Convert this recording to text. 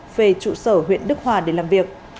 về trụ sở huyện đức hòa để làm việc